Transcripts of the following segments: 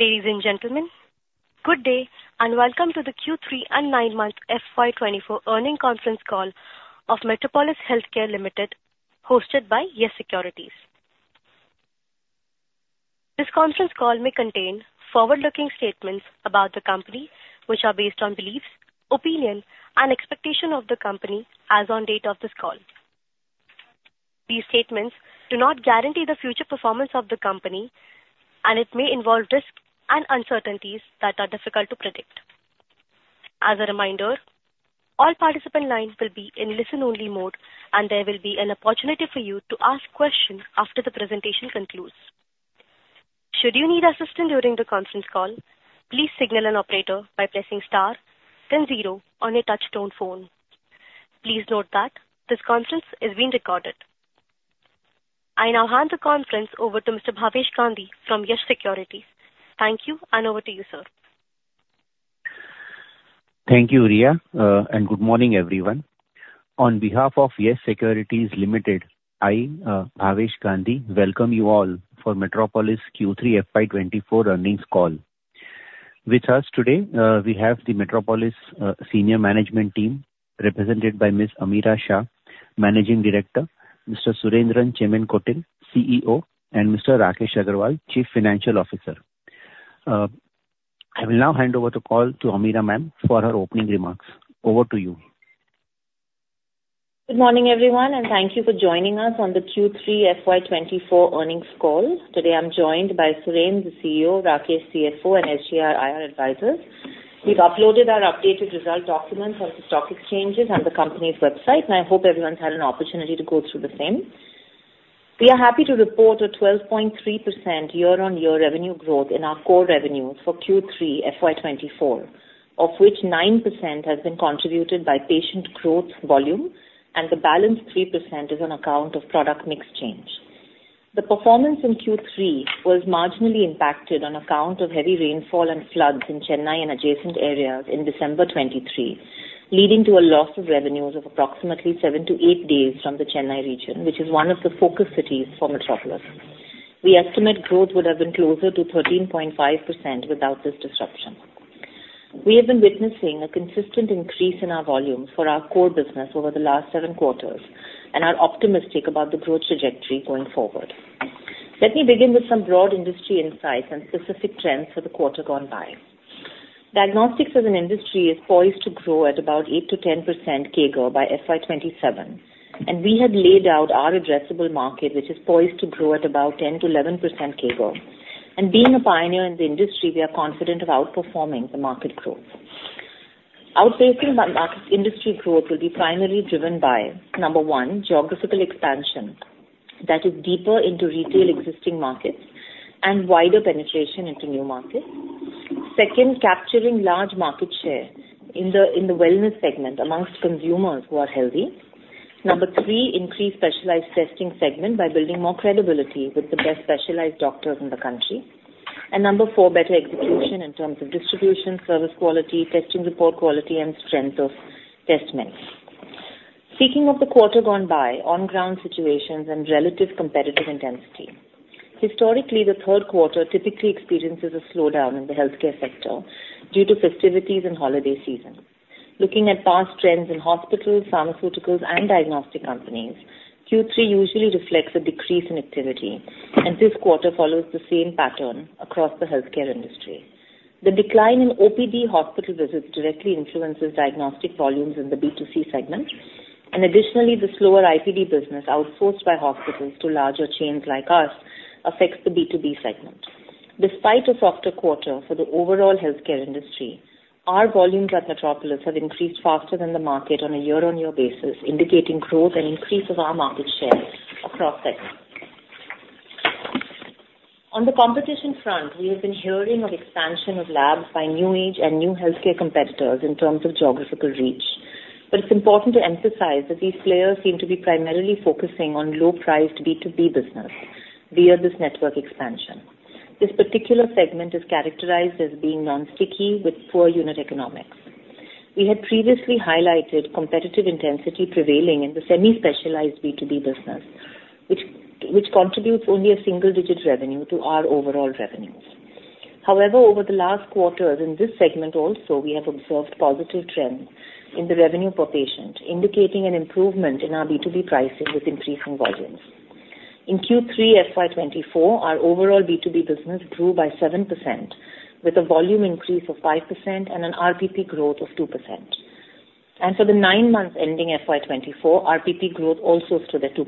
Ladies and gentlemen, good day, and welcome to the Q3 and nine-month FY 2024 earnings conference call of Metropolis Healthcare Limited, hosted by Yes Securities. This conference call may contain forward-looking statements about the company, which are based on beliefs, opinion, and expectation of the company as on date of this call. These statements do not guarantee the future performance of the company, and it may involve risks and uncertainties that are difficult to predict. As a reminder, all participant lines will be in listen-only mode, and there will be an opportunity for you to ask questions after the presentation concludes. Should you need assistance during the conference call, please signal an operator by pressing star then zero on a touch-tone phone. Please note that this conference is being recorded. I now hand the conference over to Mr. Bhavesh Gandhi from Yes Securities. Thank you, and over to you, sir. Thank you, Ria, and good morning, everyone. On behalf of Yes Securities Limited, I, Bhavesh Gandhi, welcome you all for Metropolis Q3 FY 2024 earnings call. With us today, we have the Metropolis senior management team, represented by Ms. Ameera Shah, Managing Director, Mr. Surendran Chemmenkotil, CEO, and Mr. Rakesh Agarwal, Chief Financial Officer. I will now hand over the call to Ameera Ma'am for her opening remarks. Over to you. Good morning, everyone, and thank you for joining us on the Q3 FY 2024 earnings call. Today, I'm joined by Surend, the CEO, Rakesh, CFO, and SGA, our IR advisor. We've uploaded our updated result document on the stock exchanges and the company's website, and I hope everyone's had an opportunity to go through the same. We are happy to report a 12.3% year-on-year revenue growth in our core revenue for Q3 FY 2024, of which 9% has been contributed by patient growth volume, and the balance 3% is on account of product mix change. The performance in Q3 was marginally impacted on account of heavy rainfall and floods in Chennai and adjacent areas in December 2023, leading to a loss of revenues of approximately 7-8 days from the Chennai region, which is one of the focus cities for Metropolis. We estimate growth would have been closer to 13.5% without this disruption. We have been witnessing a consistent increase in our volume for our core business over the last seven quarters and are optimistic about the growth trajectory going forward. Let me begin with some broad industry insights and specific trends for the quarter gone by. Diagnostics as an industry is poised to grow at about 8%-10% CAGR by FY 2027, and we had laid out our addressable market, which is poised to grow at about 10%-11% CAGR. Being a pioneer in the industry, we are confident of outperforming the market growth. Outsourcing by market industry growth will be primarily driven by, number one, geographical expansion that is deeper into retail existing markets and wider penetration into new markets. Second, capturing large market share in the wellness segment among consumers who are healthy. Number three, increase specialized testing segment by building more credibility with the best specialized doctors in the country. Number four, better execution in terms of distribution, service quality, testing report quality and strength of test mix. Speaking of the quarter gone by, on-ground situations and relative competitive intensity. Historically, the third quarter typically experiences a slowdown in the healthcare sector due to festivities and holiday season. Looking at past trends in hospitals, pharmaceuticals, and diagnostic companies, Q3 usually reflects a decrease in activity, and this quarter follows the same pattern across the healthcare industry. The decline in OPD hospital visits directly influences diagnostic volumes in the B2C segment, and additionally, the slower IPD business outsourced by hospitals to larger chains like us affects the B2B segment. Despite a softer quarter for the overall healthcare industry, our volumes at Metropolis have increased faster than the market on a year-on-year basis, indicating growth and increase of our market share across segments. On the competition front, we have been hearing of expansion of labs by new age and new healthcare competitors in terms of geographical reach. But it's important to emphasize that these players seem to be primarily focusing on low-priced B2B business via this network expansion. This particular segment is characterized as being non-sticky with poor unit economics. We had previously highlighted competitive intensity prevailing in the semi-specialized B2B business, which contributes only a single-digit revenue to our overall revenues. However, over the last quarter, in this segment also, we have observed positive trends in the revenue per patient, indicating an improvement in our B2B pricing with increasing volumes. In Q3 FY 2024, our overall B2B business grew by 7%, with a volume increase of 5% and an RPP growth of 2%. For the nine months ending FY 2024, RPP growth also stood at 2%,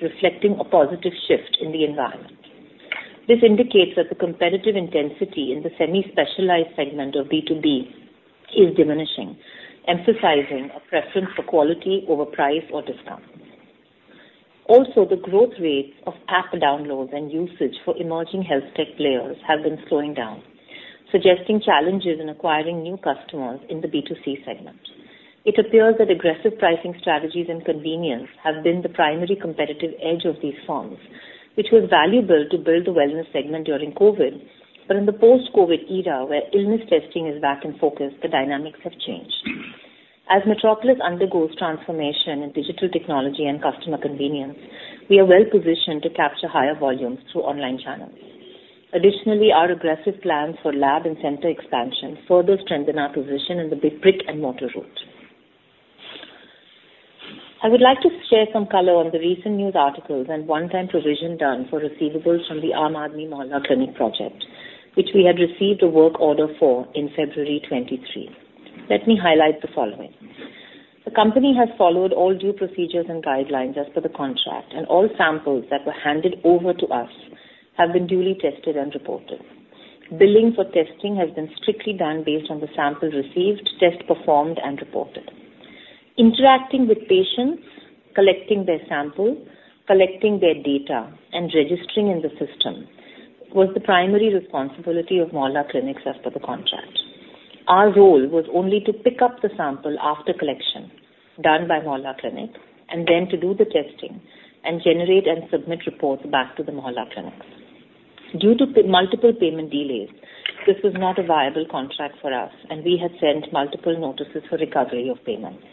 reflecting a positive shift in the environment. This indicates that the competitive intensity in the semi-specialized segment of B2B is diminishing, emphasizing a preference for quality over price or discount. Also, the growth rates of app downloads and usage for emerging health tech players have been slowing down, suggesting challenges in acquiring new customers in the B2C segment. It appears that aggressive pricing strategies and convenience have been the primary competitive edge of these firms, which was valuable to build the wellness segment during COVID, but in the post-COVID era, where illness testing is back in focus, the dynamics have changed. As Metropolis undergoes transformation in digital technology and customer convenience, we are well positioned to capture higher volumes through online channels. Additionally, our aggressive plans for lab and center expansion further strengthen our position in the big brick-and-mortar route. I would like to share some color on the recent news articles and one-time provision done for receivables from the Aam Aadmi Mohalla Clinic project, which we had received a work order for in February 2023. Let me highlight the following: The company has followed all due procedures and guidelines as per the contract, and all samples that were handed over to us have been duly tested and reported. Billing for testing has been strictly done based on the sample received, test performed, and reported. Interacting with patients, collecting their sample, collecting their data, and registering in the system was the primary responsibility of Mohalla Clinics as per the contract. Our role was only to pick up the sample after collection done by Mohalla Clinic, and then to do the testing and generate and submit reports back to the Mohalla Clinics. Due to multiple payment delays, this was not a viable contract for us, and we had sent multiple notices for recovery of payments.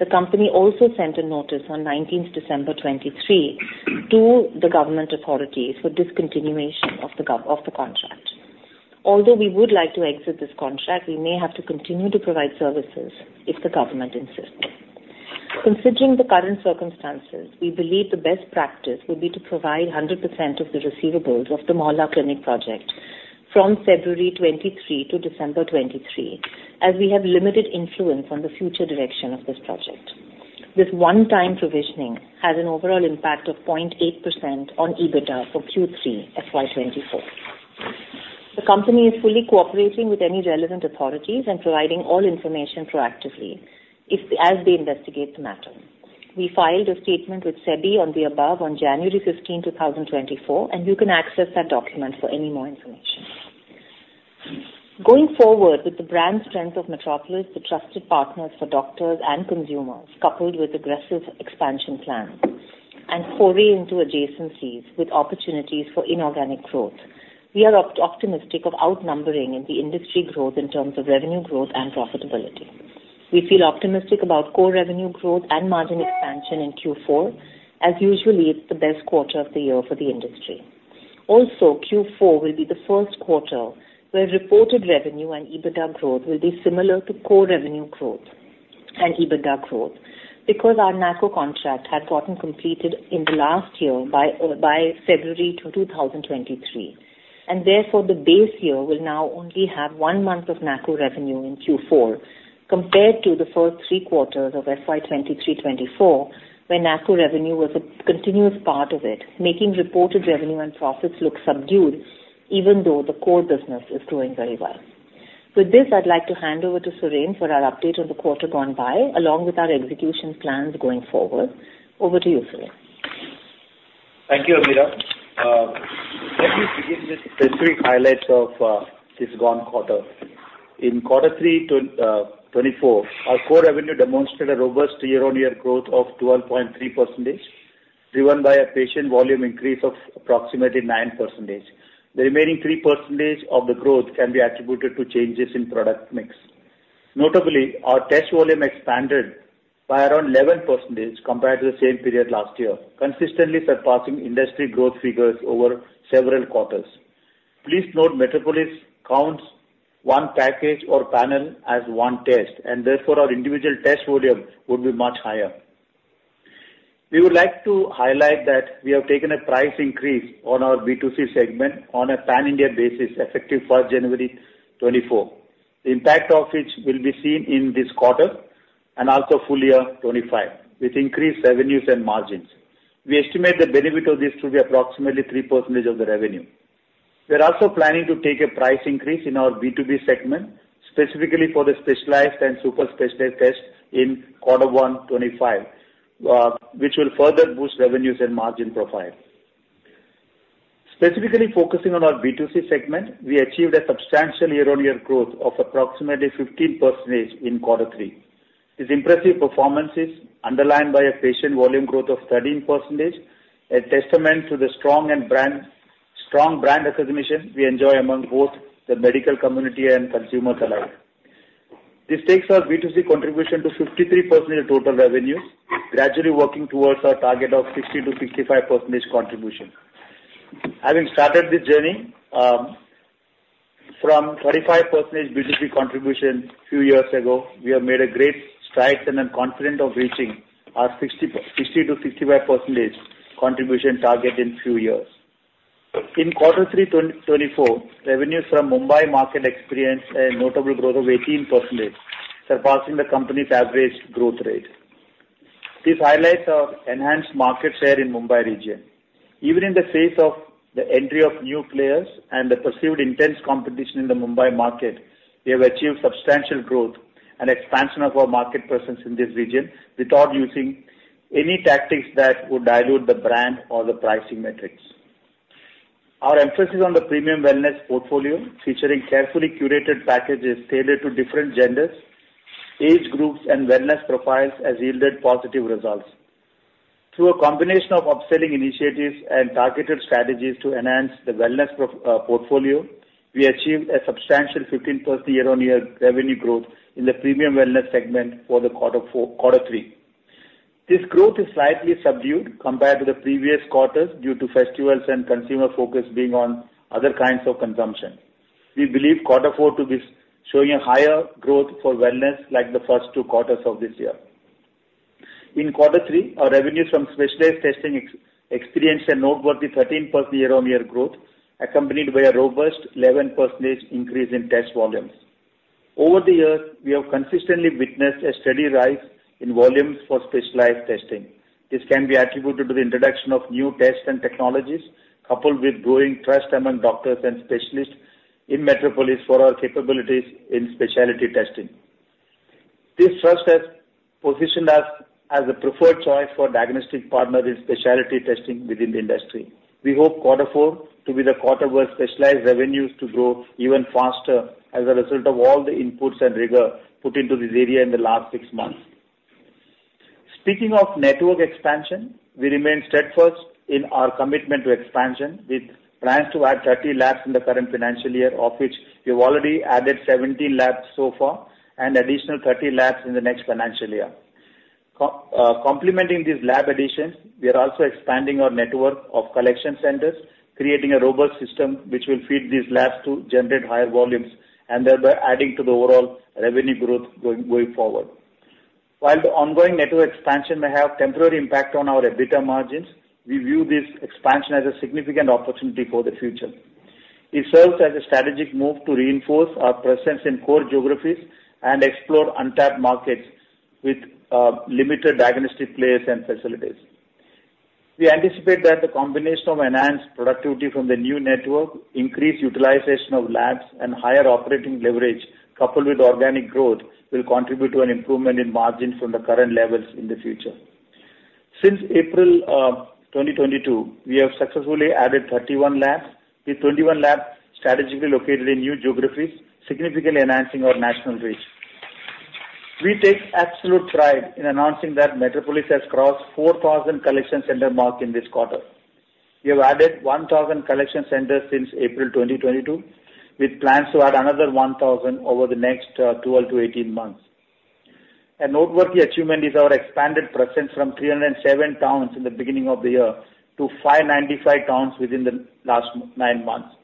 The company also sent a notice on nineteenth December 2023 to the government authorities for discontinuation of the contract. Although we would like to exit this contract, we may have to continue to provide services if the government insists. Considering the current circumstances, we believe the best practice would be to provide 100% of the receivables of the Mohalla Clinic project from February 2023 to December 2023, as we have limited influence on the future direction of this project. This one-time provisioning has an overall impact of 0.8% on EBITDA for Q3 FY 2024. The company is fully cooperating with any relevant authorities and providing all information proactively, as they investigate the matter. We filed a statement with SEBI on the above on January 15, 2024, and you can access that document for any more information. Going forward, with the brand strength of Metropolis, the trusted partners for doctors and consumers, coupled with aggressive expansion plans and foray into adjacencies with opportunities for inorganic growth, we are optimistic of outnumbering in the industry growth in terms of revenue growth and profitability. We feel optimistic about core revenue growth and margin expansion in Q4. As usual, it's the best quarter of the year for the industry. Q4 will be the first quarter where reported revenue and EBITDA growth will be similar to core revenue growth and EBITDA growth because our NACO contract had gotten completed in the last year by February 2023, and therefore, the base year will now only have one month of NACO revenue in Q4, compared to the first three quarters of FY 2023-24, where NACO revenue was a continuous part of it, making reported revenue and profits look subdued, even though the core business is growing very well. With this, I'd like to hand over to Surendran for our update on the quarter gone by, along with our execution plans going forward. Over to you, Surendran. Thank you, Ameera. Let me give you the three highlights of this gone quarter. In quarter three 2024, our core revenue demonstrated a robust year-on-year growth of 12.3%, driven by a patient volume increase of approximately 9%. The remaining 3% of the growth can be attributed to changes in product mix. Notably, our test volume expanded by around 11% compared to the same period last year, consistently surpassing industry growth figures over several quarters. Please note, Metropolis counts one package or panel as one test, and therefore, our individual test volume would be much higher. We would like to highlight that we have taken a price increase on our B2C segment on a pan-India basis, effective January 1, 2024. The impact of which will be seen in this quarter and also full year 2025, with increased revenues and margins. We estimate the benefit of this to be approximately 3% of the revenue. We're also planning to take a price increase in our B2B segment, specifically for the specialized and super specialized tests in quarter 1, 2025, which will further boost revenues and margin profile. Specifically focusing on our B2C segment, we achieved a substantial year-on-year growth of approximately 15% in quarter 3. This impressive performance is underlined by a patient volume growth of 13%, a testament to the strong brand recognition we enjoy among both the medical community and consumers alike. This takes our B2C contribution to 53% of total revenues, gradually working towards our target of 60%-65% contribution. Having started this journey from 35% B2C contribution a few years ago, we have made a great stride, and I'm confident of reaching our 60%-65% contribution target in few years. In quarter three 2024, revenues from Mumbai market experienced a notable growth of 18%, surpassing the company's average growth rate. This highlights our enhanced market share in Mumbai region. Even in the face of the entry of new players and the perceived intense competition in the Mumbai market, we have achieved substantial growth and expansion of our market presence in this region without using any tactics that would dilute the brand or the pricing metrics. Our emphasis on the premium wellness portfolio, featuring carefully curated packages tailored to different genders, age groups, and wellness profiles, has yielded positive results.... Through a combination of upselling initiatives and targeted strategies to enhance the wellness portfolio, we achieved a substantial 15% year-on-year revenue growth in the premium wellness segment for the quarter four, quarter three. This growth is slightly subdued compared to the previous quarters due to festivals and consumer focus being on other kinds of consumption. We believe quarter four to be showing a higher growth for wellness, like the first two quarters of this year. In quarter three, our revenue from specialized testing experienced a noteworthy 13% year-on-year growth, accompanied by a robust 11% increase in test volumes. Over the years, we have consistently witnessed a steady rise in volumes for specialized testing. This can be attributed to the introduction of new tests and technologies, coupled with growing trust among doctors and specialists in Metropolis for our capabilities in specialty testing. This trust has positioned us as a preferred choice for diagnostic partner in specialty testing within the industry. We hope quarter four to be the quarter where specialized revenues to grow even faster as a result of all the inputs and rigor put into this area in the last six months. Speaking of network expansion, we remain steadfast in our commitment to expansion, with plans to add 30 labs in the current financial year, of which we've already added 17 labs so far, and additional 30 labs in the next financial year. Complementing these lab additions, we are also expanding our network of collection centers, creating a robust system which will feed these labs to generate higher volumes, and thereby adding to the overall revenue growth going forward. While the ongoing network expansion may have temporary impact on our EBITDA margins, we view this expansion as a significant opportunity for the future. It serves as a strategic move to reinforce our presence in core geographies and explore untapped markets with limited diagnostic players and facilities. We anticipate that the combination of enhanced productivity from the new network, increased utilization of labs, and higher operating leverage, coupled with organic growth, will contribute to an improvement in margins from the current levels in the future. Since April 2022, we have successfully added 31 labs, with 21 labs strategically located in new geographies, significantly enhancing our national reach. We take absolute pride in announcing that Metropolis has crossed 4,000 collection center mark in this quarter. We have added 1,000 collection centers since April 2022, with plans to add another 1,000 over the next 12-18 months. A noteworthy achievement is our expanded presence from 307 towns in the beginning of the year to 595 towns within the last nine months.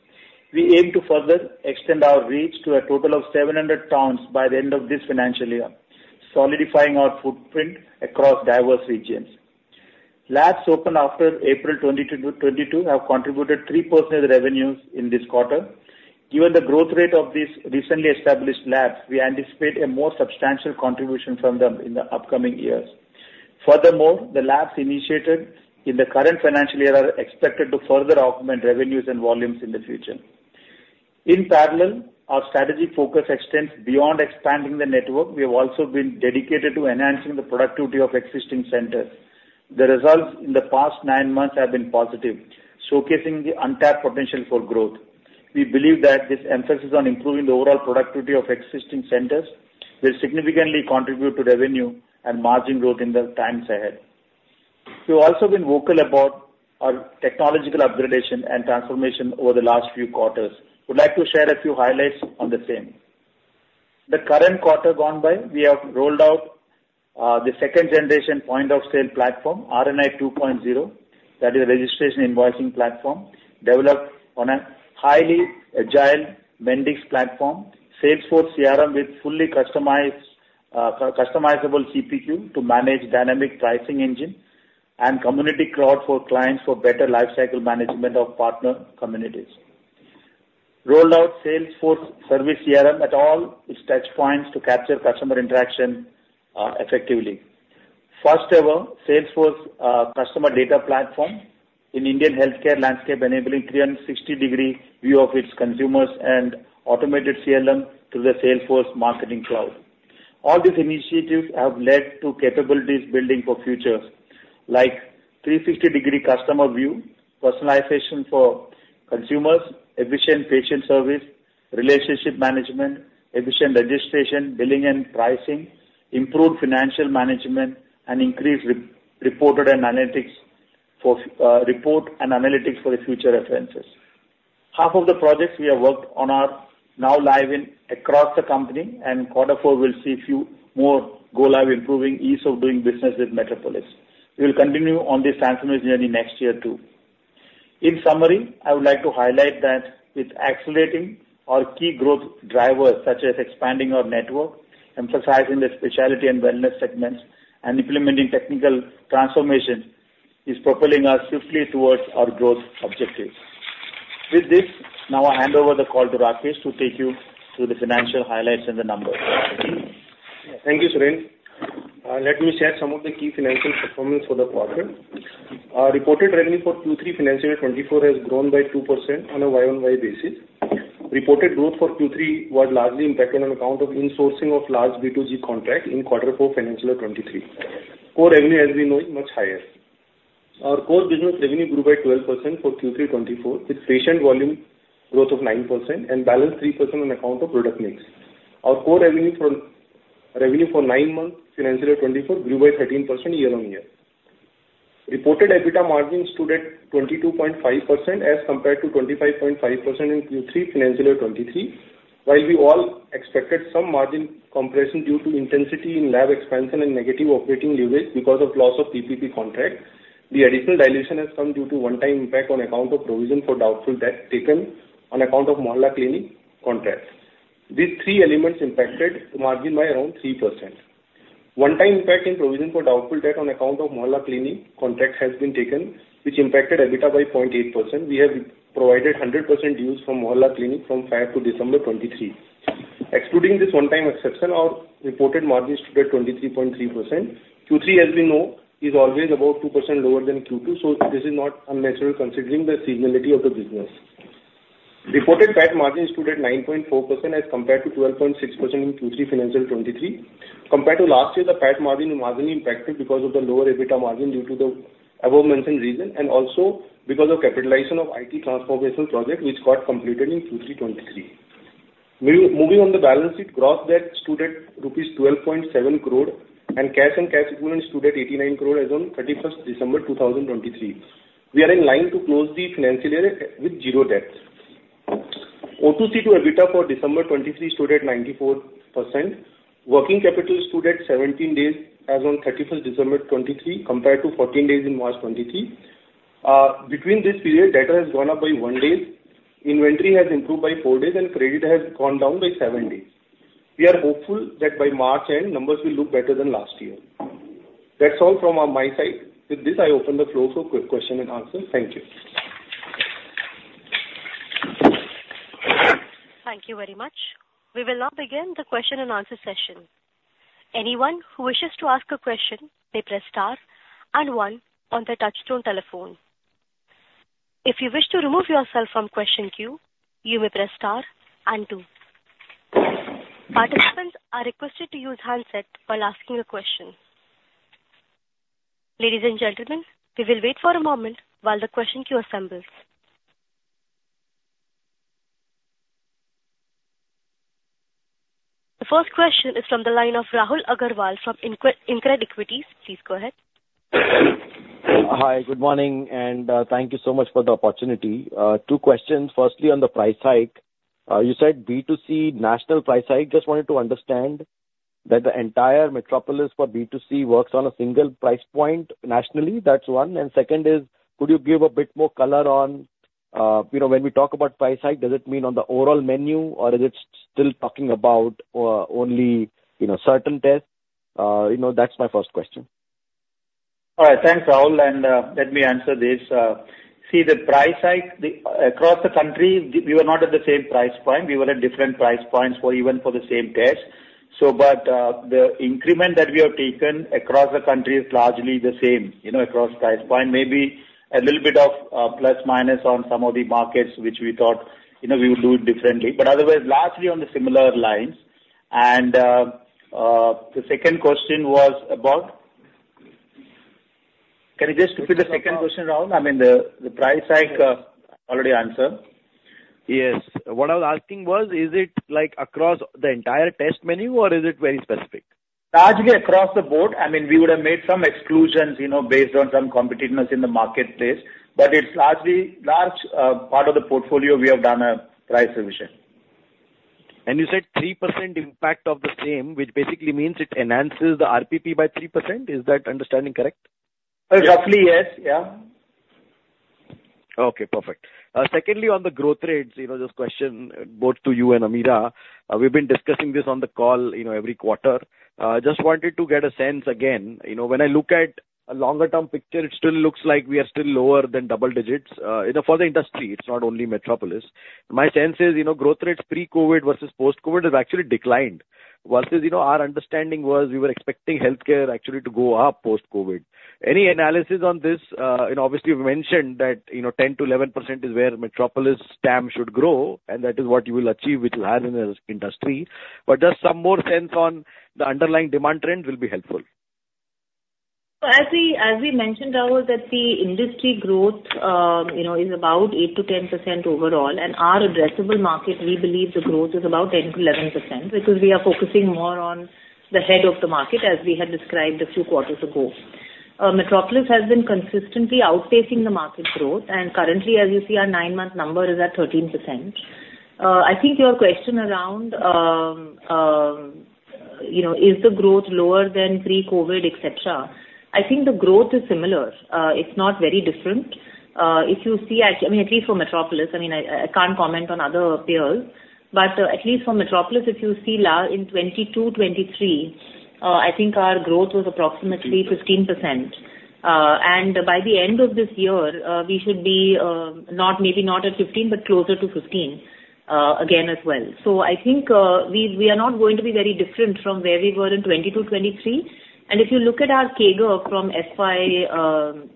We aim to further extend our reach to a total of 700 towns by the end of this financial year, solidifying our footprint across diverse regions. Labs opened after April 2020-2022 have contributed 3% of the revenues in this quarter. Given the growth rate of these recently established labs, we anticipate a more substantial contribution from them in the upcoming years. Furthermore, the labs initiated in the current financial year are expected to further augment revenues and volumes in the future. In parallel, our strategic focus extends beyond expanding the network. We have also been dedicated to enhancing the productivity of existing centers. The results in the past nine months have been positive, showcasing the untapped potential for growth. We believe that this emphasis on improving the overall productivity of existing centers will significantly contribute to revenue and margin growth in the times ahead. We've also been vocal about our technological upgradation and transformation over the last few quarters. Would like to share a few highlights on the same. The current quarter gone by, we have rolled out the second generation point-of-sale platform, RNI 2.0. That is a registration invoicing platform developed on a highly agile Mendix platform, Salesforce CRM, with fully customized customizable CPQ to manage dynamic pricing engine, and Community Cloud for clients for better lifecycle management of partner communities. Rolled out Salesforce Service CRM at all its touchpoints to capture customer interaction effectively. First-ever Salesforce customer data platform in Indian healthcare landscape, enabling 360-degree view of its consumers and automated CLM through the Salesforce Marketing Cloud. All these initiatives have led to capabilities building for future, like 360-degree customer view, personalization for consumers, efficient patient service, relationship management, efficient registration, billing and pricing, improved financial management, and increased re-reported and analytics for report and analytics for the future references. Half of the projects we have worked on are now live across the company, and quarter four will see a few more go live, improving ease of doing business with Metropolis. We will continue on this transformation journey next year, too. In summary, I would like to highlight that with accelerating our key growth drivers, such as expanding our network, emphasizing the specialty and wellness segments, and implementing technical transformation, is propelling us swiftly towards our growth objectives. With this, now I hand over the call to Rakesh to take you through the financial highlights and the numbers. Thank you, Surend. Let me share some of the key financial performance for the quarter. Our reported revenue for Q3 financial year 2024 has grown by 2% on a year-on-year basis. Reported growth for Q3 was largely impacted on account of insourcing of large B2G contract in quarter four, financial year 2023. Core revenue, as we know, is much higher. Our core business revenue grew by 12% for Q3 2024, with patient volume growth of 9% and balance 3% on account of product mix.... Our core revenue, revenue for nine months, financial 2024, grew by 13% year-on-year. Reported EBITDA margins stood at 22.5% as compared to 25.5% in Q3, financial 2023. While we all expected some margin compression due to intensity in lab expansion and negative operating leverage because of loss of PPP contracts, the additional dilution has come due to one-time impact on account of provision for doubtful debt taken on account of Mohalla Clinic contracts. These three elements impacted margin by around 3%. One-time impact in provision for doubtful debt on account of Mohalla Clinic contracts has been taken, which impacted EBITDA by 0.8%. We have provided 100% dues from Mohalla Clinic from May to December 2023. Excluding this one-time exception, our reported margin stood at 23.3%. Q3, as we know, is always about 2% lower than Q2, so this is not unnatural considering the seasonality of the business. Reported PAT margin stood at 9.4% as compared to 12.6% in Q3, financial 2023. Compared to last year, the PAT margin was mainly impacted because of the lower EBITDA margin due to the above mentioned reason, and also because of capitalization of IT transformation project, which got completed in Q3 2023. Moving on the balance sheet, gross debt stood at rupees 12.7 crore, and cash and cash equivalents stood at 89 crore as on 31st December 2023. We are in line to close the financial year with 0 debt. O2C to EBITDA for December 2023 stood at 94%. Working capital stood at 17 days as on 31st December 2023, compared to 14 days in March 2023. Between this period, debtor has gone up by one day, inventory has improved by four days, and credit has gone down by seven days. We are hopeful that by March end, numbers will look better than last year. That's all from my side. With this, I open the floor for quick question and answer. Thank you. Thank you very much. We will now begin the question and answer session. Anyone who wishes to ask a question may press star and one on their touchtone telephone. If you wish to remove yourself from question queue, you may press star and two. Participants are requested to use handset while asking a question. Ladies and gentlemen, we will wait for a moment while the question queue assembles. The first question is from the line of Rahul Agarwal from InCred- InCred Equities. Please go ahead. Hi, good morning, and thank you so much for the opportunity. Two questions: firstly, on the price hike, you said B2C national price hike. Just wanted to understand that the entire Metropolis for B2C works on a single price point nationally? That's one. And second is, could you give a bit more color on, you know, when we talk about price hike, does it mean on the overall menu, or is it still talking about only, you know, certain tests? You know, that's my first question. All right. Thanks, Rahul, and, let me answer this. See, the price hike across the country, we were not at the same price point. We were at different price points for even the same test. So but, the increment that we have taken across the country is largely the same, you know, across price point. Maybe a little bit of plus minus on some of the markets which we thought, you know, we would do differently, but otherwise, largely on the similar lines. And, the second question was about? Can you just repeat the second question, Rahul? I mean, the price hike, I already answered. Yes. What I was asking was, is it like across the entire test menu, or is it very specific? Largely across the board, I mean, we would have made some exclusions, you know, based on some competitiveness in the marketplace, but it's largely large part of the portfolio, we have done a price revision. You said 3% impact of the same, which basically means it enhances the RPP by 3%. Is that understanding correct? Roughly, yes. Yeah. Okay, perfect. Secondly, on the growth rates, you know, this question both to you and Ameera. We've been discussing this on the call, you know, every quarter. Just wanted to get a sense again, you know, when I look at a longer-term picture, it still looks like we are still lower than double digits. You know, for the industry, it's not only Metropolis. My sense is, you know, growth rates pre-COVID versus post-COVID has actually declined. Versus, you know, our understanding was we were expecting healthcare actually to go up post-COVID. Any analysis on this? And obviously you've mentioned that, you know, 10%-11% is where Metropolis TAM should grow, and that is what you will achieve, which you have in the industry. But just some more sense on the underlying demand trend will be helpful. So as we mentioned, Rahul, that the industry growth, you know, is about 8%-10% overall, and our addressable market, we believe the growth is about 10%-11%, because we are focusing more on the head of the market, as we had described a few quarters ago. Metropolis has been consistently outpacing the market growth, and currently, as you see, our nine-month number is at 13%. I think your question around, you know, is the growth lower than pre-COVID, et cetera? I think the growth is similar. It's not very different. If you see, actually, I mean, at least for Metropolis, I mean, I, I can't comment on other peers. But, at least for Metropolis, if you see last, in 2022, 2023, I think our growth was approximately 15%. And by the end of this year, we should be, not, maybe not at 15, but closer to 15, again, as well. So I think, we are not going to be very different from where we were in 2022, 2023. And if you look at our CAGR from FY,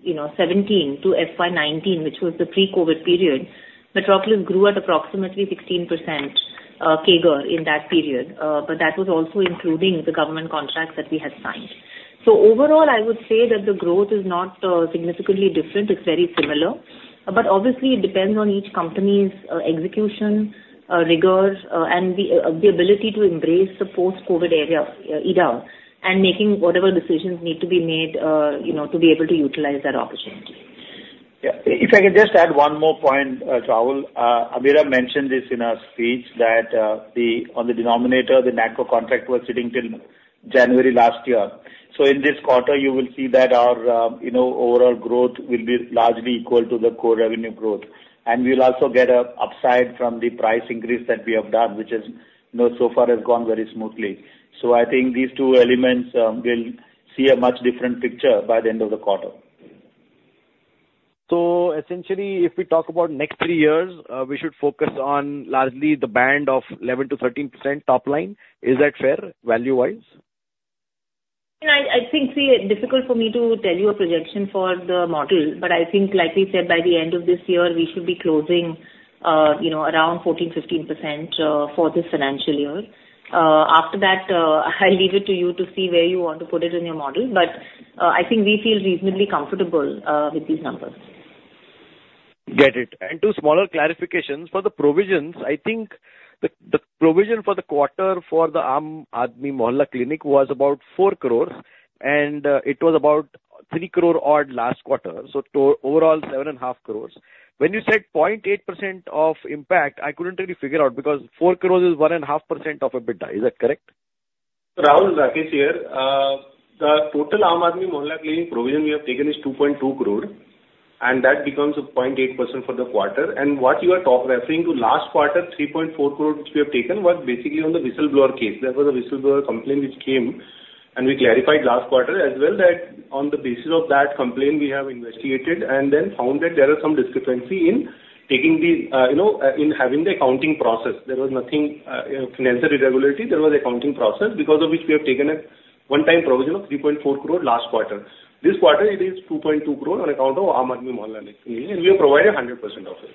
you know, 2017 to FY 2019, which was the pre-COVID period, Metropolis grew at approximately 16% CAGR in that period. But that was also including the government contracts that we had signed. So overall, I would say that the growth is not significantly different. It's very similar. But obviously, it depends on each company's execution, rigor, and the ability to embrace the post-COVID area, era, and making whatever decisions need to be made, you know, to be able to utilize that opportunity. Yeah. If I can just add one more point, Rahul. Ameera mentioned this in her speech, that on the denominator, the NACO contract was sitting till January last year. So in this quarter, you will see that our, you know, overall growth will be largely equal to the core revenue growth. And we'll also get a upside from the price increase that we have done, which is, you know, so far has gone very smoothly. So I think these two elements, we'll see a much different picture by the end of the quarter. So essentially, if we talk about next three years, we should focus on largely the band of 11%-13% top line. Is that fair value-wise? Yeah, I, I think, difficult for me to tell you a projection for the model, but I think like we said, by the end of this year, we should be closing, you know, around 14%-15% for this financial year. After that, I'll leave it to you to see where you want to put it in your model, but, I think we feel reasonably comfortable with these numbers. Get it. Two smaller clarifications. For the provisions, I think the provision for the quarter for the Aam Aadmi Mohalla Clinic was about 4 crore, and it was about 3 crore odd last quarter, so overall, 7.5 crore. When you said 0.8% of impact, I couldn't really figure out, because 4 crore is 1.5% of EBITDA. Is that correct? Rahul, Rakesh here. The total Aam Aadmi Mohalla Clinic provision we have taken is 2.2 crore, and that becomes 0.8% for the quarter. What you are referring to last quarter, 3.4 crore, which we have taken, was basically on the whistleblower case. There was a whistleblower complaint which came, and we clarified last quarter as well, that on the basis of that complaint, we have investigated, and then found that there are some discrepancy in taking the, you know, in having the accounting process. There was nothing financial irregularity. There was accounting process, because of which we have taken a one-time provision of 3.4 crore last quarter. This quarter it is 2.2 crore on account of Aam Aadmi Mohalla Clinic, and we have provided 100% of it.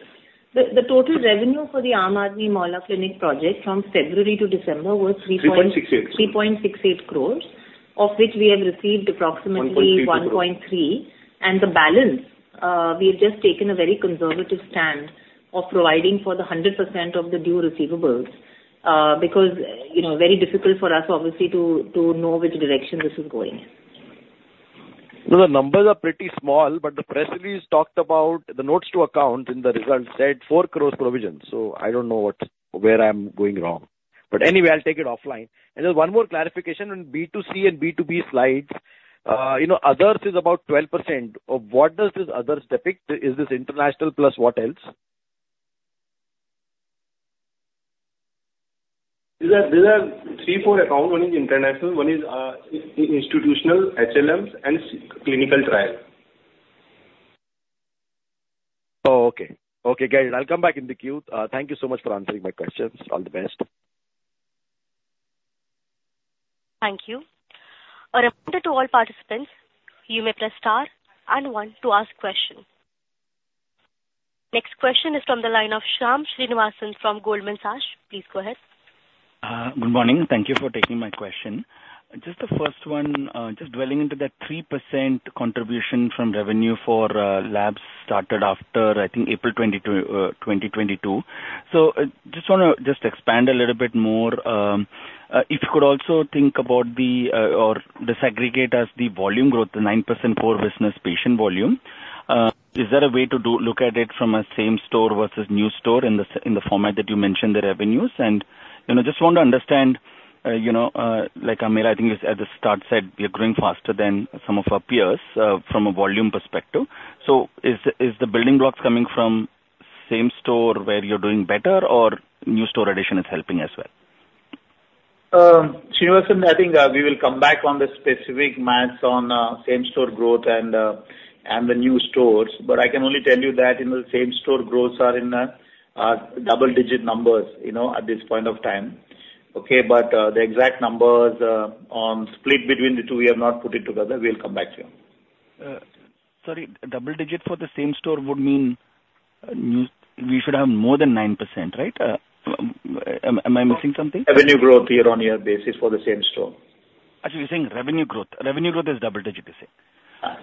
The total revenue for the Aam Aadmi Mohalla Clinic project from February to December was INR 3 point- INR 3.68 crores. 3.68 crore, of which we have received approximately- 1.3 crore. 1.3, and the balance, we have just taken a very conservative stand of providing for the 100% of the due receivables, because, you know, very difficult for us, obviously, to know which direction this is going in. No, the numbers are pretty small, but the press release talked about the notes to accounts, and the results said 4 crore provision. So I don't know what I'm going wrong. But anyway, I'll take it offline. And just one more clarification on B2C and B2B slides. You know, others is about 12%. What does this others depict? Is this international plus what else? These are three or four accounts. One is international, one is institutional HLMs, and clinical trial. Oh, okay. Okay, great. I'll come back in the queue. Thank you so much for answering my questions. All the best. Thank you. A reminder to all participants, you may press star and one to ask questions. Next question is from the line of Shyam Srinivasan from Goldman Sachs. Please go ahead. Good morning. Thank you for taking my question. Just the first one, just dwelling into that 3% contribution from revenue for labs started after, I think, April 2022. So, just wanna just expand a little bit more, if you could also think about the, or disaggregate as the volume growth, the 9% core business patient volume. Is there a way to do, look at it from a same store versus new store in the format that you mentioned, the revenues? And, you know, just want to understand, you know, like Ameera, I think, is at the start said, we are growing faster than some of our peers, from a volume perspective. So is the building blocks coming from same store where you're doing better or new store addition is helping as well? Srinivasan, I think we will come back on the specific math on same-store growth and the new stores, but I can only tell you that, you know, same-store growths are in double-digit numbers, you know, at this point of time. Okay. But the exact numbers on split between the two, we have not put it together. We'll come back to you. Sorry, double digit for the same store would mean... We should have more than 9%, right? Am I missing something? Revenue growth year-on-year basis for the same store. Actually, you're saying revenue growth. Revenue growth is double-digit, you say? Uh-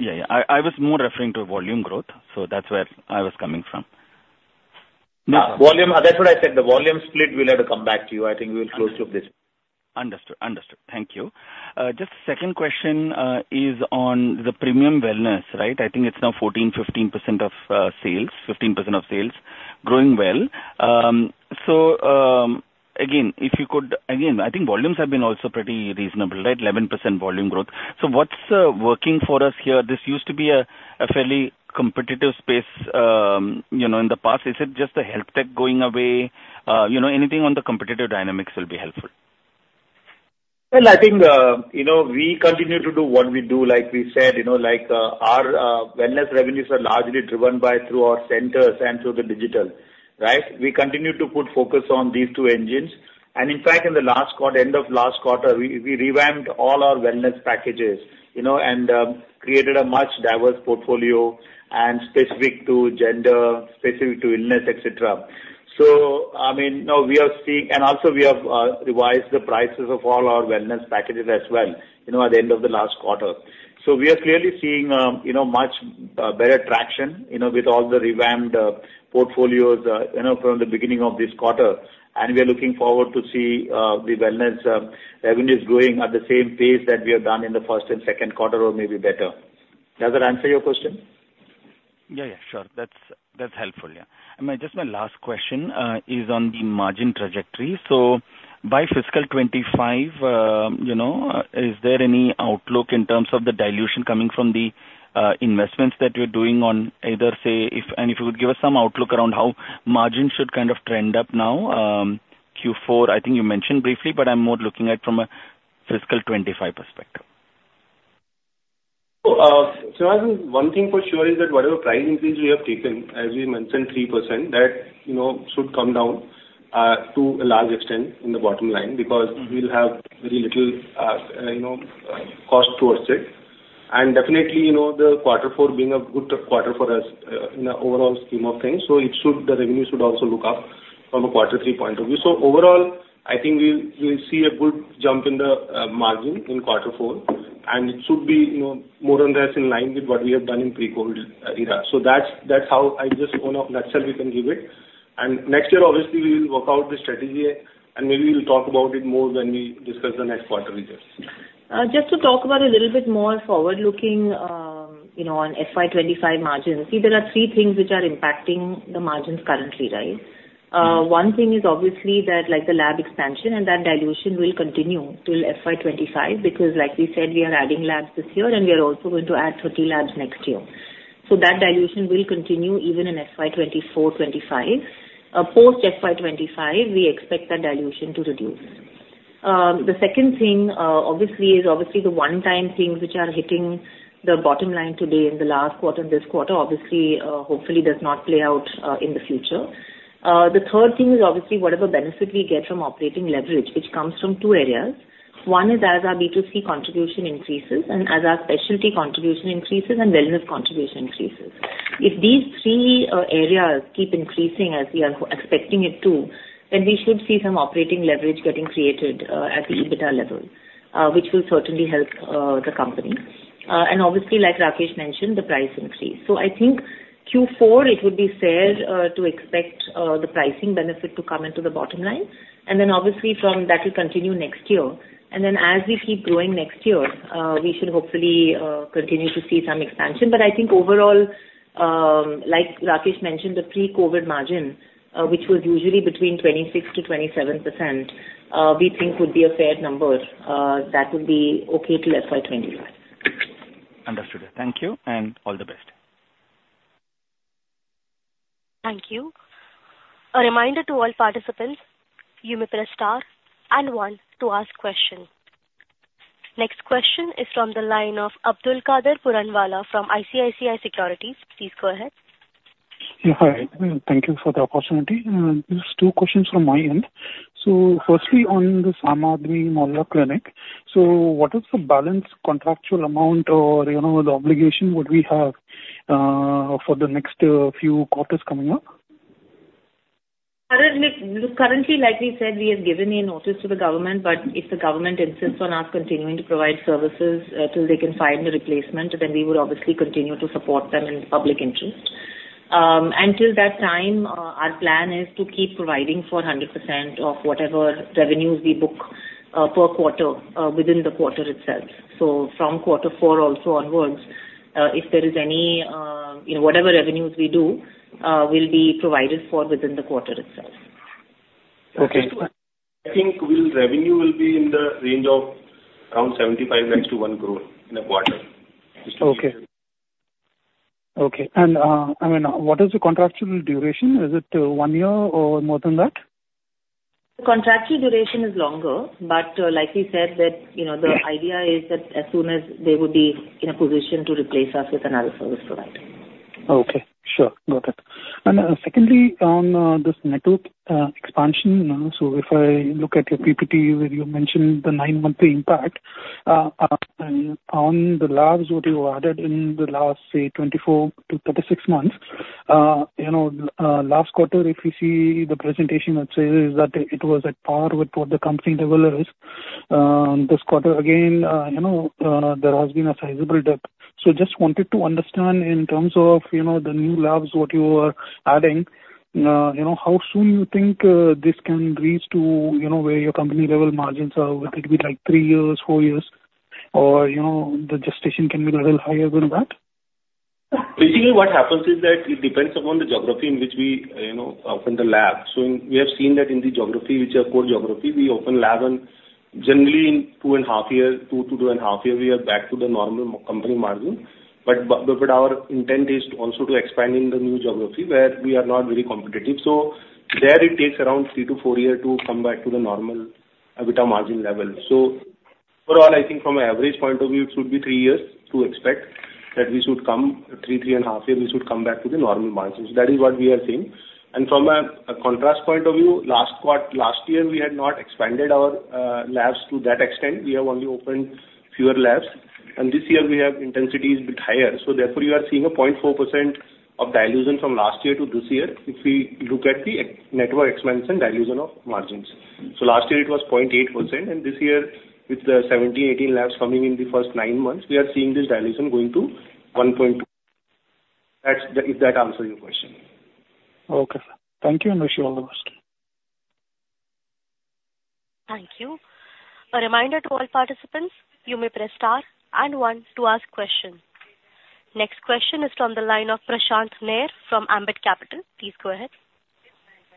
Yeah, yeah. I was more referring to volume growth, so that's where I was coming from. Yeah, volume, that's what I said. The volume split, we'll have to come back to you. I think we'll close to this. Understood. Understood. Thank you. Just second question is on the premium wellness, right? I think it's now 14, 15% of sales, 15% of sales. Growing well. So, again, if you could... Again, I think volumes have been also pretty reasonable, right? 11% volume growth. So what's working for us here? This used to be a fairly competitive space, you know, in the past. Is it just the health tech going away? You know, anything on the competitive dynamics will be helpful. Well, I think, you know, we continue to do what we do. Like we said, you know, like, our wellness revenues are largely driven by through our centers and through the digital, right? We continue to put focus on these two engines, and in fact, in the last quarter, end of last quarter, we revamped all our wellness packages.... you know, and created a much diverse portfolio and specific to gender, specific to illness, et cetera. So, I mean, now we are seeing- and also we have revised the prices of all our wellness packages as well, you know, at the end of the last quarter. So we are clearly seeing, you know, much better traction, you know, with all the revamped portfolios, you know, from the beginning of this quarter. We are looking forward to see the wellness revenues growing at the same pace that we have done in the first and second quarter, or maybe better. Does that answer your question? Yeah, yeah, sure. That's, that's helpful, yeah. I mean, just my last question is on the margin trajectory. So by fiscal 2025, you know, is there any outlook in terms of the dilution coming from the investments that you're doing on either, say, if... And if you could give us some outlook around how margins should kind of trend up now, Q4, I think you mentioned briefly, but I'm more looking at from a fiscal 2025 perspective. So, I think one thing for sure is that whatever price increase we have taken, as we mentioned, 3%, that, you know, should come down to a large extent in the bottom line. Mm-hmm. Because we'll have very little, you know, cost towards it. And definitely, you know, the quarter four being a good quarter for us, in the overall scheme of things, so it should, the revenue should also look up from a quarter three point of view. So overall, I think we'll, we'll see a good jump in the, margin in quarter four, and it should be, you know, more or less in line with what we have done in pre-COVID era. So that's, that's how I just want to nutshell we can give it. And next year, obviously, we will work out the strategy, and maybe we'll talk about it more when we discuss the next quarter results. Just to talk about a little bit more forward-looking, you know, on FY 25 margins. See, there are three things which are impacting the margins currently, right? Mm-hmm. One thing is obviously that, like, the lab expansion, and that dilution will continue till FY 25. Because like we said, we are adding labs this year, and we are also going to add 30 labs next year. So that dilution will continue even in FY 24, 25. Post FY 25, we expect that dilution to reduce. The second thing, obviously, is obviously the one-time things which are hitting the bottom line today in the last quarter and this quarter, obviously, hopefully does not play out in the future. The third thing is obviously whatever benefit we get from operating leverage, which comes from two areas. One is as our B2C contribution increases and as our specialty contribution increases and wellness contribution increases. If these three areas keep increasing as we are expecting it to, then we should see some operating leverage getting created at the EBITDA level, which will certainly help the company. And obviously, like Rakesh mentioned, the price increase. So I think Q4, it would be fair to expect the pricing benefit to come into the bottom line. And then obviously from... That will continue next year. And then as we keep growing next year, we should hopefully continue to see some expansion. But I think overall, like Rakesh mentioned, the pre-COVID margin, which was usually between 26%-27%, we think would be a fair number that would be okay till FY 2025. Understood. Thank you, and all the best. Thank you. A reminder to all participants, you may press star and one to ask questions. Next question is from the line of Abdulkader Puranwala from ICICI Securities. Please go ahead. Yeah, hi, and thank you for the opportunity. Just two questions from my end. So firstly, on the Mohalla Clinic, so what is the balance contractual amount or, you know, the obligation would we have for the next few quarters coming up? Currently, like we said, we have given a notice to the government, but if the government insists on us continuing to provide services, till they can find a replacement, then we would obviously continue to support them in the public interest. And till that time, our plan is to keep providing for 100% of whatever revenues we book, per quarter, within the quarter itself. So from quarter four also onwards, if there is any, you know, whatever revenues we do, will be provided for within the quarter itself. Okay. I think we'll... Revenue will be in the range of around 75 lakh-1 crore in a quarter. Okay. Okay, and, I mean, what is the contractual duration? Is it, one year or more than that? The contractual duration is longer, but like we said, that, you know, the idea is that as soon as they would be in a position to replace us with another service provider. Okay, sure. Got it. And, secondly, on this network expansion, so if I look at your PPT, where you mentioned the nine-month impact, and on the labs, what you added in the last, say, 24-36 months, you know, last quarter, if you see the presentation, let's say, is that it was at par with what the company level is. This quarter again, you know, there has been a sizable dip. So just wanted to understand in terms of, you know, the new labs, what you are adding, you know, how soon you think this can reach to, you know, where your company-level margins are? Will it be like three years, four years, or, you know, the gestation can be a little higher than that? Basically, what happens is that it depends upon the geography in which we, you know, open the lab. So we have seen that in the geography, which are core geography, we open lab and generally in 2.5 years, two-2.5 years, we are back to the normal company margin. But, but, but our intent is to also to expand in the new geography, where we are not very competitive. So there it takes around three-four years to come back to the normal EBITDA margin level. So overall, I think from an average point of view, it should be three years to expect... that we should come three-3.5 years, we should come back to the normal margins. That is what we are seeing. From a contrast point of view, last quarter, last year, we had not expanded our labs to that extent. We have only opened fewer labs, and this year we have intensity is bit higher. So therefore, you are seeing a 0.4% dilution from last year to this year, if we look at the ex-network expansion dilution of margins. So last year it was 0.8%, and this year, with the 17-18 labs coming in the first nine months, we are seeing this dilution going to one point. That's, if that answers your question. Okay. Thank you, and wish you all the best. Thank you. A reminder to all participants, you may press Star and One to ask questions. Next question is from the line of Prashant Nair from Ambit Capital. Please go ahead.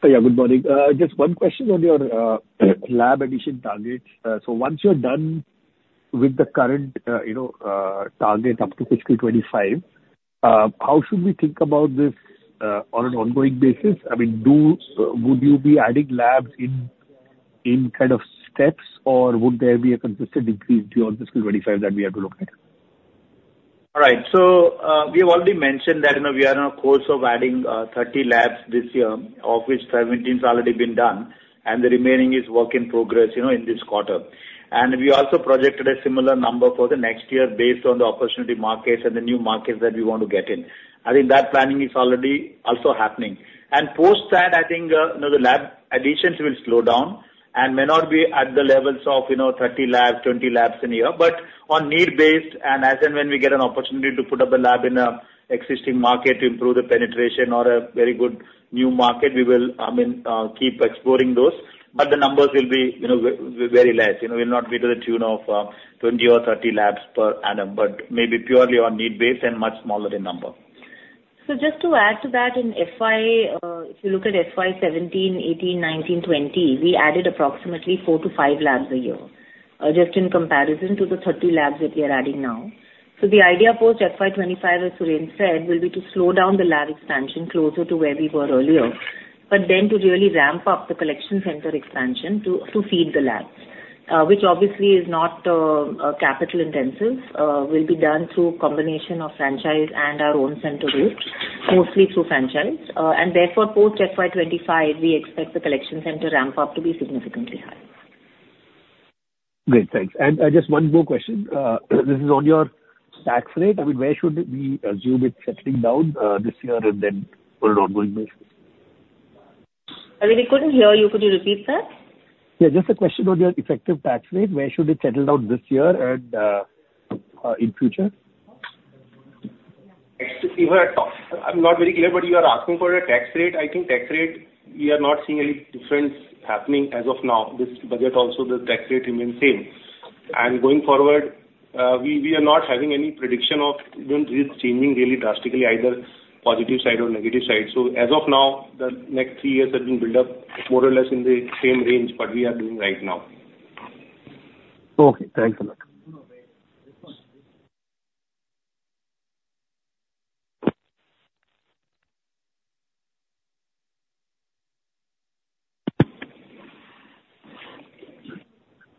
Yeah, good morning. Just one question on your lab addition targets. So once you're done with the current, you know, target up to fiscal 2025, how should we think about this on an ongoing basis? I mean, would you be adding labs in kind of steps, or would there be a consistent increase beyond fiscal 2025 that we have to look at? All right. So, we have already mentioned that, you know, we are on a course of adding 30 labs this year, of which 17's already been done, and the remaining is work in progress, you know, in this quarter. And we also projected a similar number for the next year based on the opportunity markets and the new markets that we want to get in. I think that planning is already also happening. And post that, I think, you know, the lab additions will slow down and may not be at the levels of, you know, 30 labs, 20 labs in a year, but on need based, and as and when we get an opportunity to put up a lab in an existing market to improve the penetration or a very good new market, we will, I mean, keep exploring those. But the numbers will be, you know, very less. You know, will not be to the tune of 20 or 30 labs per annum, but maybe purely on need based and much smaller in number. So just to add to that, in FY, if you look at FY 2017, 2018, 2019, 2020, we added approximately 4-5 labs a year, just in comparison to the 30 labs that we are adding now. So the idea post FY 2025, as Sunil said, will be to slow down the lab expansion closer to where we were earlier, but then to really ramp up the collection center expansion to feed the labs, which obviously is not capital intensive, will be done through a combination of franchise and our own center route, mostly through franchise. And therefore, post FY 2025, we expect the collection center ramp up to be significantly higher. Great, thanks. Just one more question. This is on your tax rate. I mean, where should we assume it's settling down, this year and then on an ongoing basis? I really couldn't hear you. Could you repeat that? Yeah, just a question on your effective tax rate. Where should it settle down this year and in future? I'm not very clear, but you are asking for a tax rate. I think tax rate, we are not seeing any difference happening as of now. This budget also, the tax rate remains same. And going forward, we are not having any prediction of, you know, it's changing really drastically, either positive side or negative side. So as of now, the next three years it will build up more or less in the same range, what we are doing right now. Okay, thanks a lot.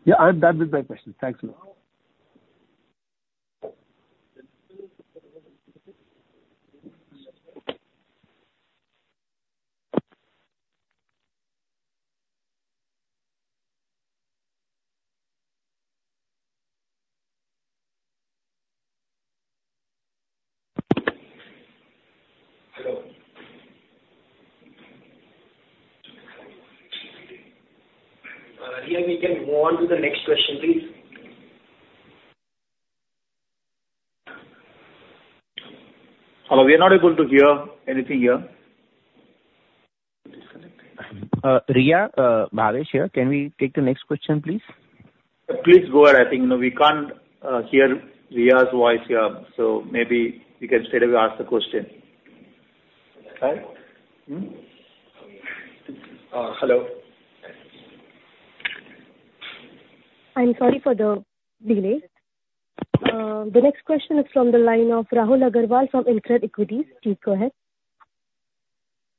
Yeah, that was my question. Thanks a lot. Hello? Riya, we can move on to the next question, please. Hello, we are not able to hear anything here. Riya, Bhavesh here. Can we take the next question, please? Please go ahead. I think, you know, we can't hear Riya's voice here, so maybe we can straightaway ask the question. Right? Mm. Hello. I'm sorry for the delay. The next question is from the line of Rahul Agarwal from InCred Equities. Please go ahead.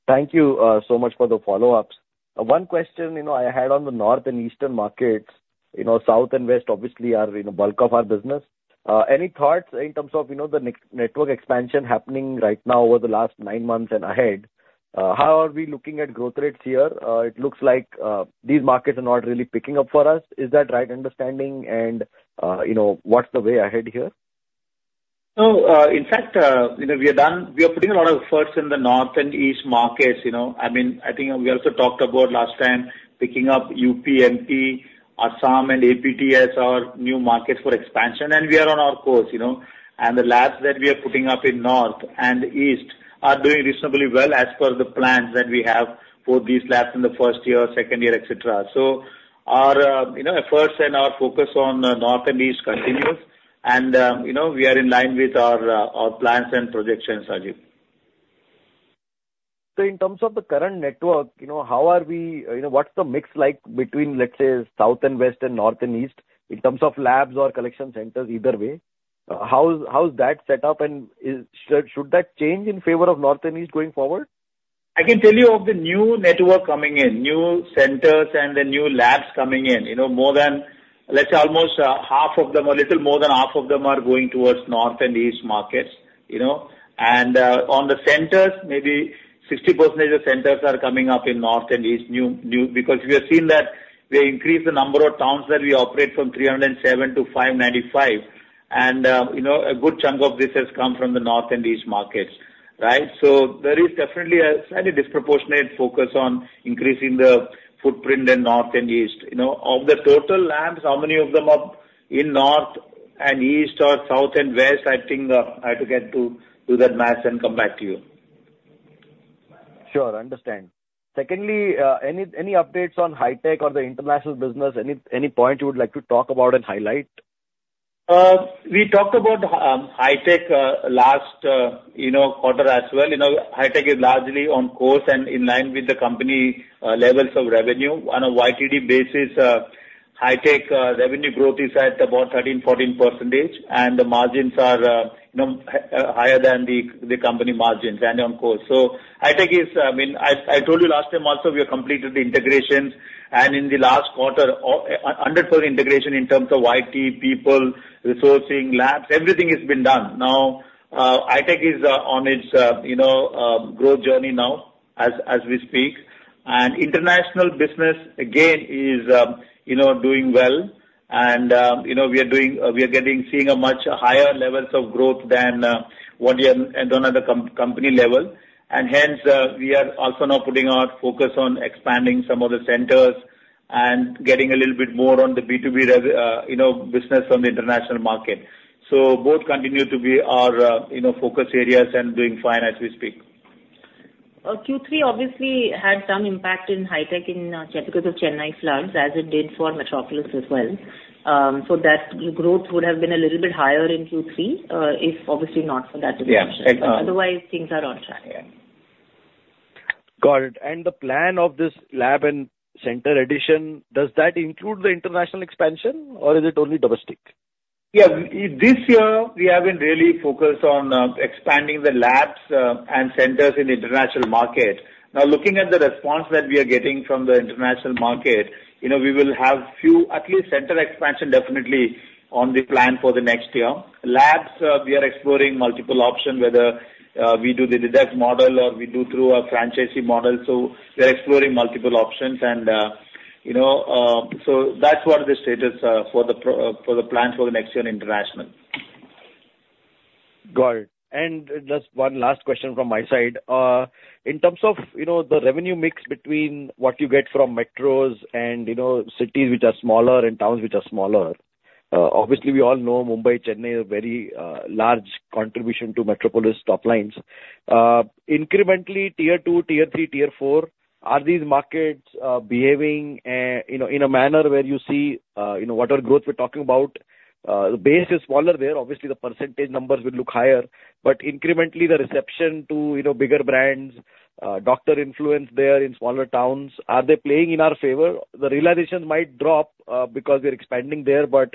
Thank you, so much for the follow-ups. One question, you know, I had on the north and eastern markets. You know, south and west obviously are, you know, bulk of our business. Any thoughts in terms of, you know, the network expansion happening right now over the last nine months and ahead? How are we looking at growth rates here? It looks like, these markets are not really picking up for us. Is that right understanding? And, you know, what's the way ahead here? No, in fact, you know, we have done... We are putting a lot of efforts in the north and east markets, you know. I mean, I think we also talked about last time, picking up UP, MP, Assam and APTS, our new markets for expansion, and we are on our course, you know. And the labs that we are putting up in north and east are doing reasonably well as per the plans that we have for these labs in the first year, second year, et cetera. So our, you know, efforts and our focus on, north and east continues, and, you know, we are in line with our, our plans and projections, Ajit. So in terms of the current network, you know, how are we... You know, what's the mix like between, let's say, south and west and north and east, in terms of labs or collection centers, either way? How's that set up and should that change in favor of north and east going forward?... I can tell you of the new network coming in, new centers and the new labs coming in, you know, more than, let's say, almost half of them, or little more than half of them are going towards north and east markets, you know. And on the centers, maybe 60% of the centers are coming up in north and east, new—because we have seen that we increase the number of towns that we operate from 307 to 595, and you know, a good chunk of this has come from the north and east markets, right? So there is definitely a slightly disproportionate focus on increasing the footprint in north and east. You know, of the total labs, how many of them are in North and East or South and West? I think, I have to get to do that math and come back to you. Sure. Understand. Secondly, any updates on Hitech or the international business? Any point you would like to talk about and highlight? We talked about Hitech last quarter as well. You know, Hitech is largely on course and in line with the company levels of revenue. On a YTD basis, Hitech revenue growth is at about 13%-14%, and the margins are, you know, higher than the company margins and on course. So Hitech is, I mean, I told you last time also, we have completed the integrations, and in the last quarter, all 100% integration in terms of IT, people, resourcing, labs, everything has been done. Now, Hitech is on its, you know, growth journey now, as we speak. International business again is, you know, doing well, and, you know, we are seeing much higher levels of growth than one year and on other company level. Hence, we are also now putting our focus on expanding some of the centers and getting a little bit more on the B2B, you know, business on the international market. So both continue to be our, you know, focus areas and doing fine as we speak. Q3 obviously had some impact in Hitech, because of Chennai floods, as it did for Metropolis as well. So that growth would have been a little bit higher in Q3, if obviously not for that disruption. Yeah. Otherwise, things are on track. Yeah. Got it. The plan of this lab and center addition, does that include the international expansion or is it only domestic? Yeah. This year we have been really focused on expanding the labs and centers in international market. Now, looking at the response that we are getting from the international market, you know, we will have few at least center expansion definitely on the plan for the next year. Labs, we are exploring multiple option, whether we do the direct model or we do through a franchisee model. So we are exploring multiple options and, you know, so that's what the status for the plan for the next year in international. Got it. And just one last question from my side. In terms of, you know, the revenue mix between what you get from metros and, you know, cities which are smaller and towns which are smaller, obviously, we all know Mumbai, Chennai, a very large contribution to Metropolis top lines. Incrementally, tier two, tier three, tier four, are these markets, you know, in a manner where you see, you know, what are growth we're talking about? The base is smaller there. Obviously, the percentage numbers will look higher, but incrementally, the reception to, you know, bigger brands, doctor influence there in smaller towns, are they playing in our favor? The realization might drop, because we're expanding there, but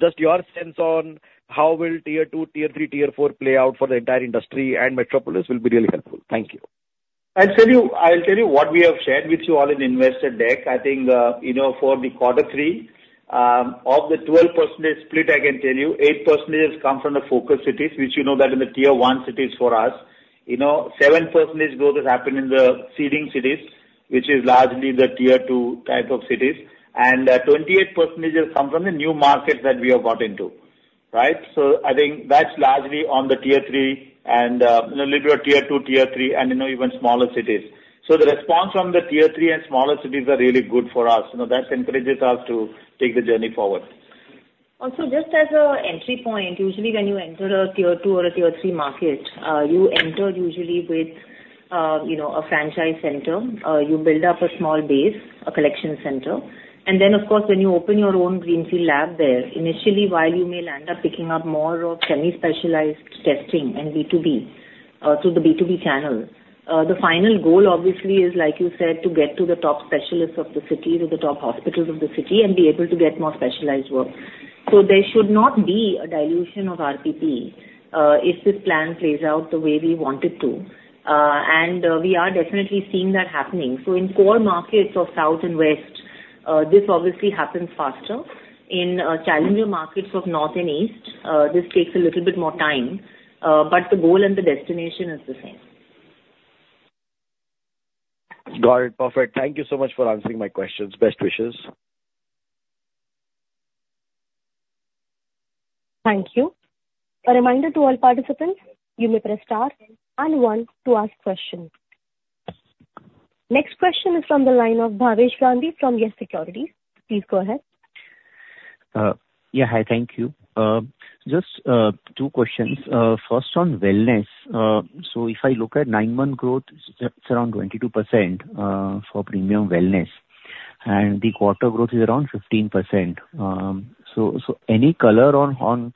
just your sense on how will tier two, tier three, tier four play out for the entire industry and Metropolis will be really helpful? Thank you. I'll tell you, I'll tell you what we have shared with you all in the investor deck. I think, you know, for the quarter three, of the 12% split, I can tell you, 8% has come from the focus cities, which you know, that in the tier one cities for us. You know, 7% growth has happened in the seeding cities, which is largely the tier two type of cities. 28% has come from the new markets that we have got into, right? So I think that's largely on the tier three and, you know, little bit of tier two, tier three, and you know, even smaller cities. So the response from the tier three and smaller cities are really good for us. You know, that encourages us to take the journey forward. Also, just as a entry point, usually when you enter a tier two or a tier three market, you enter usually with, you know, a franchise center. You build up a small base, a collection center, and then, of course, when you open your own greenfield lab there, initially, while you may land up picking up more of semi-specialized testing and B2B, through the B2B channel, the final goal obviously is, like you said, to get to the top specialists of the cities, or the top hospitals of the city, and be able to get more specialized work. So there should not be a dilution of RPP, if this plan plays out the way we want it to. And, we are definitely seeing that happening. So in core markets of south and west, this obviously happens faster. In challenger markets of North and East, this takes a little bit more time, but the goal and the destination is the same. Got it. Perfect. Thank you so much for answering my questions. Best wishes. Thank you. A reminder to all participants, you may press Star and One to ask questions. Next question is from the line of Bhavesh Gandhi from Yes Securities. Please go ahead. Yeah, hi. Thank you. Just two questions. First, on wellness. So if I look at nine-month growth, it's around 22% for premium wellness, and the quarter growth is around 15%. So any color on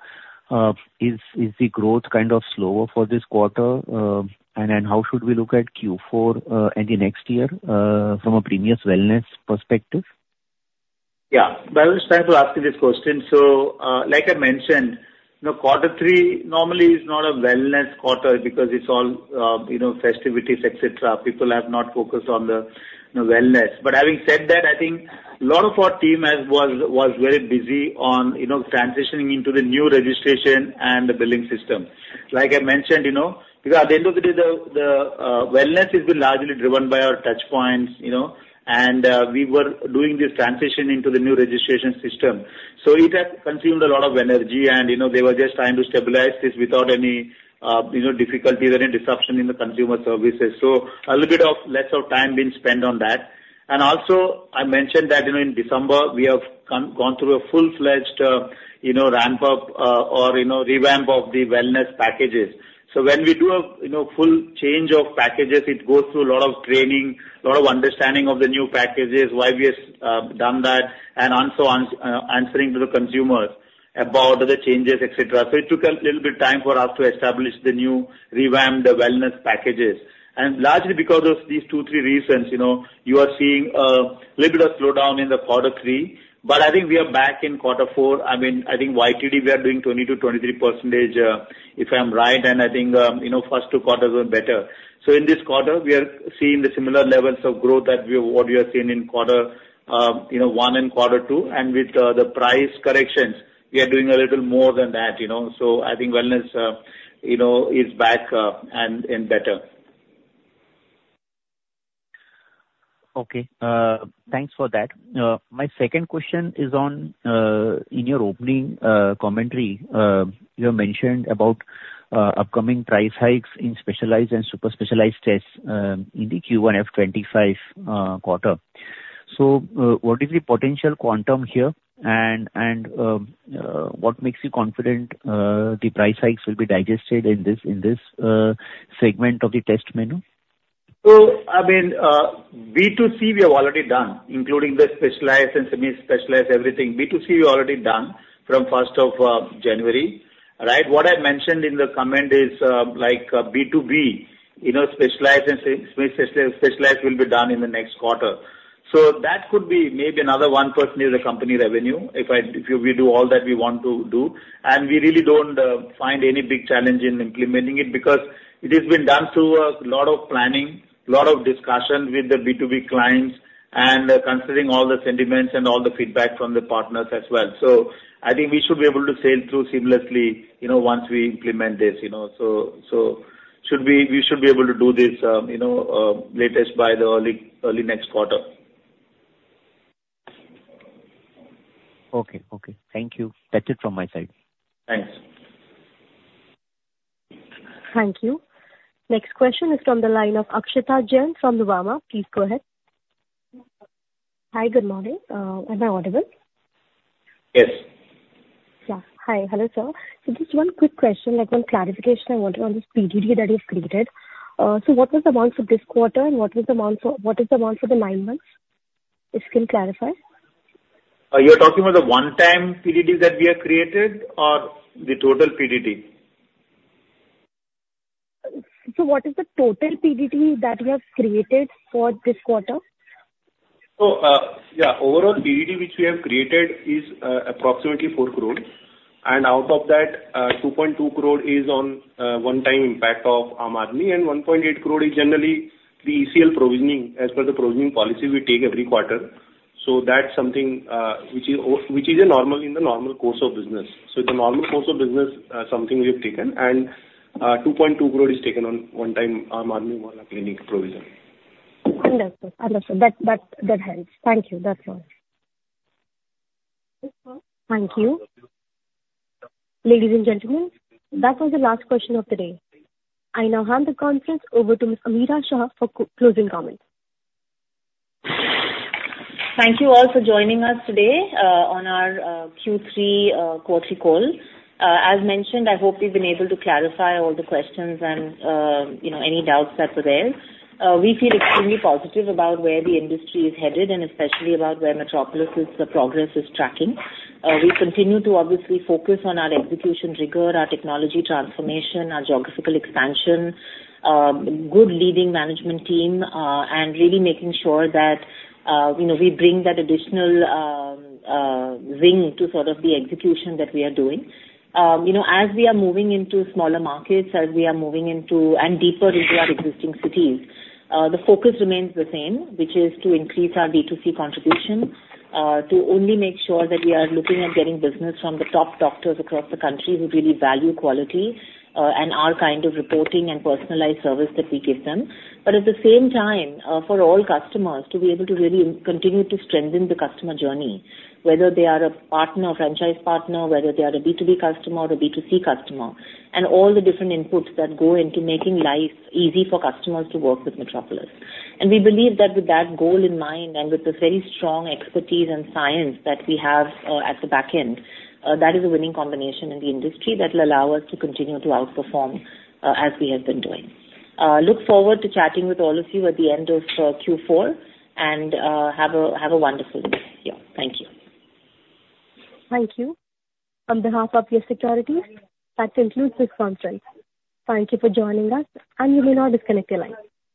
is the growth kind of slower for this quarter? And then how should we look at Q4 and the next year from a premium wellness perspective?... Yeah. Well, it's time to ask you this question. So, like I mentioned, you know, quarter three normally is not a wellness quarter because it's all, you know, festivities, et cetera. People have not focused on the, you know, wellness. But having said that, I think a lot of our team was very busy on, you know, transitioning into the new registration and the billing system. Like I mentioned, you know, because at the end of the day, the wellness has been largely driven by our touchpoints, you know, and we were doing this transition into the new registration system. So it has consumed a lot of energy and, you know, they were just trying to stabilize this without any, you know, difficulty or any disruption in the consumer services. So a little bit of less of time being spent on that. And also, I mentioned that, you know, in December, we have gone through a full-fledged, you know, ramp up, or, you know, revamp of the wellness packages. So when we do a, you know, full change of packages, it goes through a lot of training, a lot of understanding of the new packages, why we have done that, and also answering to the consumers about the changes, et cetera. So it took a little bit time for us to establish the new revamped wellness packages. And largely because of these two, three reasons, you know, you are seeing a little bit of slowdown in the quarter three, but I think we are back in quarter four. I mean, I think YTD, we are doing 20%-23%, if I'm right, and I think, you know, first two quarters were better. So in this quarter, we are seeing the similar levels of growth that we have seen in quarter one and quarter two. And with the price corrections, we are doing a little more than that, you know. So I think wellness, you know, is back and better. Okay, thanks for that. My second question is on, in your opening commentary, you have mentioned about upcoming price hikes in specialized and super specialized tests, in the Q1 FY25 quarter. So, what is the potential quantum here, and what makes you confident the price hikes will be digested in this segment of the test menu? So, I mean, B2C, we have already done, including the specialized and semi-specialized, everything. B2C, we already done from first of January, right? What I mentioned in the comment is, like B2B, you know, specialized and semi-specialized will be done in the next quarter. So that could be maybe another 1% near the company revenue, if I, if we do all that we want to do. And we really don't find any big challenge in implementing it because it has been done through a lot of planning, a lot of discussion with the B2B clients, and considering all the sentiments and all the feedback from the partners as well. So I think we should be able to sail through seamlessly, you know, once we implement this, you know. So, we should be able to do this, you know, latest by the early next quarter. Okay. Okay. Thank you. That's it from my side. Thanks. Thank you. Next question is from the line of Aashita Jain from the Nuvama. Please go ahead. Hi, good morning. Am I audible? Yes. Yeah. Hi. Hello, sir. So just one quick question, like one clarification I wanted on this PDD that you've created. So what was the amount for this quarter, and what was the amount for—what is the amount for the nine months? If you can clarify. You're talking about the one-time PDD that we have created or the total PDD? What is the total PDD that you have created for this quarter? So, yeah, overall PDD, which we have created, is approximately 4 crore. And out of that, 2.2 crore is on one-time impact of Aam Aadmi, and 1.8 crore is generally the ECL provisioning. As per the provisioning policy, we take every quarter. So that's something, which is, which is a normal in the normal course of business. So the normal course of business, something we have taken, and, 2.2 crore is taken on one time, Aam Aadmi wala clinic provision. Understood. That helps. Thank you. That's all. Thank you. Ladies and gentlemen, that was the last question of the day. I now hand the conference over to Miss Ameera Shah for closing comments. Thank you all for joining us today on our Q3 quarterly call. As mentioned, I hope we've been able to clarify all the questions and, you know, any doubts that were there. We feel extremely positive about where the industry is headed and especially about where Metropolis's progress is tracking. We continue to obviously focus on our execution rigor, our technology transformation, our geographical expansion, good leading management team, and really making sure that, you know, we bring that additional zing to sort of the execution that we are doing. You know, as we are moving into smaller markets, as we are moving into... Deeper into our existing cities, the focus remains the same, which is to increase our B2C contribution, to only make sure that we are looking at getting business from the top doctors across the country who really value quality, and our kind of reporting and personalized service that we give them. But at the same time, for all customers, to be able to really continue to strengthen the customer journey, whether they are a partner or franchise partner, whether they are a B2B customer or a B2C customer, and all the different inputs that go into making life easy for customers to work with Metropolis. We believe that with that goal in mind and with the very strong expertise and science that we have at the back end, that is a winning combination in the industry that will allow us to continue to outperform, as we have been doing. Look forward to chatting with all of you at the end of Q4, and have a wonderful day. Yeah. Thank you. Thank you. On behalf of Yes Securities, that concludes this conference. Thank you for joining us, and you may now disconnect your line.